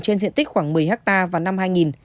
trên diện tích khoảng một mươi hectare vào năm hai nghìn